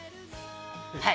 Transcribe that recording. はい。